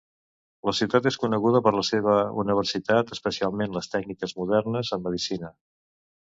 La ciutat és coneguda per la seva universitat, especialment les tècniques modernes en medicina.